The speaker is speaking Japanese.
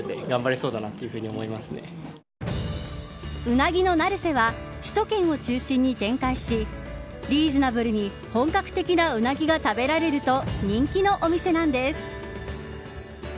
鰻の成瀬は首都圏を中心に展開しリーズナブルに本格的なうなぎが食べられると人気のお店なんです。